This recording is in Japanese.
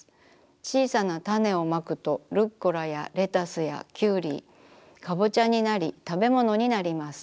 ちいさな種をまくとルッコラやレタスやきゅうりかぼちゃになりたべものになります。